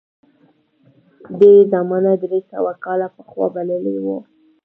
ده یې زمانه درې سوه کاله پخوا بللې وه.